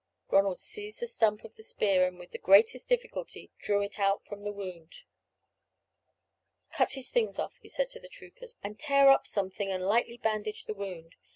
Ronald seized the stump of the spear, and with the greatest difficulty drew it out from the wound. "Cut his things off," he said to the troopers, "and tear up something and lightly bandage the wound.